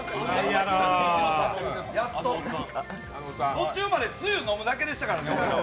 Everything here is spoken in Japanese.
途中までつゆ飲むだけでしたからね。